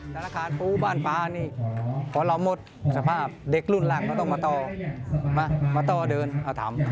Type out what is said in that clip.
ธนาคารปูบ้านฟ้าขอลอมหมดสภาพเด็กรุ่นหลังต้องมัฒติเตอร์